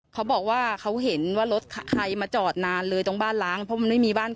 เขาบอกว่าเขาเห็นว่ารถใครมาจอดนานเลยตรงบ้านล้างเพราะมันไม่มีบ้าน